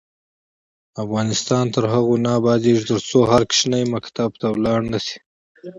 افغانستان تر هغو نه ابادیږي، ترڅو هر ماشوم مکتب ته لاړ نشي.